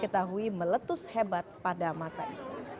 diketahui meletus hebat pada masa itu